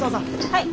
はい。